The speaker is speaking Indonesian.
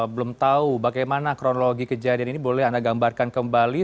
belum tahu bagaimana kronologi kejadian ini boleh anda gambarkan kembali